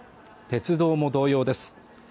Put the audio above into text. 鉄道も同様です